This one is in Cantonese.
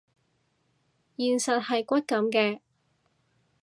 現實係骨感嘅